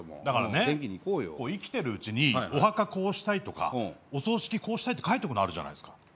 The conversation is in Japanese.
だからね生きてるうちにお墓こうしたいとかお葬式こうしたいって書いとくのあるじゃないですか。